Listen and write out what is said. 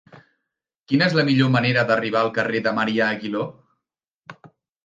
Quina és la millor manera d'arribar al carrer de Marià Aguiló?